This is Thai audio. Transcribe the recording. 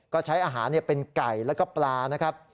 ก็ใช้อาหารเป็นไก่แล้วก็ปลานะครับ